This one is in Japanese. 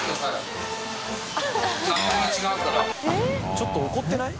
ちょっと怒ってない？